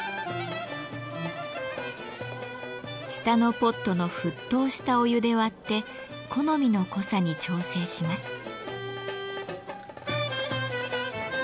下のポットの沸騰したお湯で割って好みの濃さに調整します。